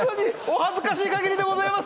恥ずかしいかぎりでございます。